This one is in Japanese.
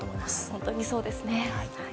本当にそうですね。